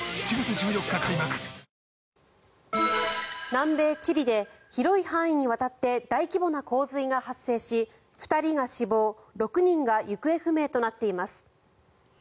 南米チリで広い範囲にわたって大規模な洪水が発生し２人が死亡６人が行方不明となっています。